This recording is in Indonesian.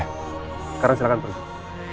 sekarang silahkan pulang